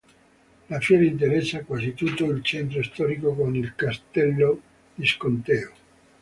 La fiera interessa quasi tutto il centro storico con il Castello Visconteo.